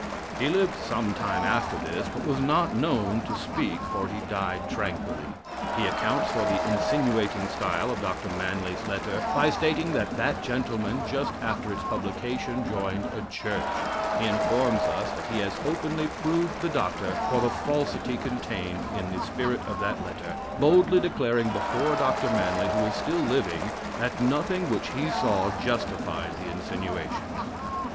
He lived some time after this, but was not known to speak, for he died tranquilly. He accounts for the insinuating style of Dr. Manly's letter by stating that that gentleman, just after its publication, joined a church. He informs us that he has openly proved the doctor for the falsity contained in the spirit of that letter, boldly declaring before Dr. Manly, who is still living, that nothing which he saw justified the insinuations.